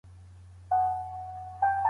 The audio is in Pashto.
که علمي وسایل وکارول سي، تصور نه غلط کیږي.